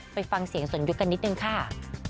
ไปฟังเสียงสนยุคกันนิดนึงค่ะ